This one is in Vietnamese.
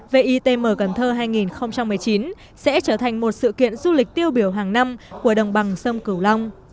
vitm cần thơ hai nghìn một mươi chín sẽ trở thành một sự kiện du lịch tiêu biểu hàng năm của đồng bằng sông cửu long